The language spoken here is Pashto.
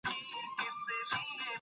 اته جمع څلور؛ دوولس کېږي.